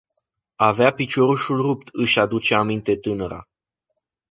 Avea piciorușul rupt, își aduce aminte tânăra.